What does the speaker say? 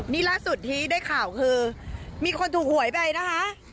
นี่ล่าสุดที่ได้ข่าวคือมีคนถูกหวยไปนะคะ